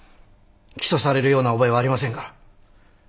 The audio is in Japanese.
起訴されるような覚えはありませんから。